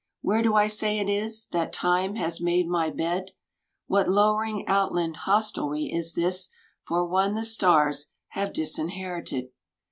Where do I say it is That Time has miade my bed ? What lowering outland hostelry is this For one the stars have disinherited